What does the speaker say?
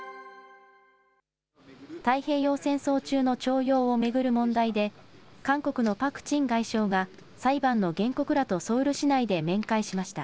太平洋戦争中の徴用を巡る問題で、韓国のパク・チン外相が、裁判の原告らとソウル市内で面会しました。